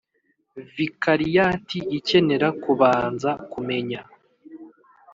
Vikariyati ikenera kubanza kumenya